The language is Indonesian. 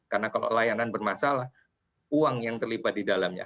karena kalau layanan bermasalah uang yang terlibat di dalamnya